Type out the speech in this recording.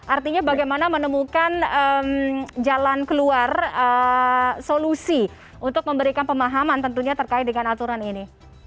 artinya bagaimana menemukan jalan keluar solusi untuk memberikan pemahaman tentunya terkait dengan aturan ini